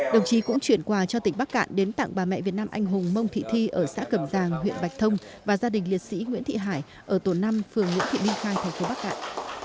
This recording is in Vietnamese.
đồng chí cũng chuyển quà cho tỉnh bắc cạn đến tặng bà mẹ việt nam anh hùng mông thị thi ở xã cẩm giàng huyện bạch thông và gia đình liệt sĩ nguyễn thị hải ở tổ năm phường nguyễn thị minh khai thành phố bắc cạn